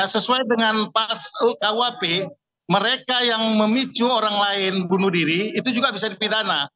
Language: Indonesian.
sesuai dengan pasal kuap mereka yang memicu orang lain bunuh diri itu juga bisa dipidana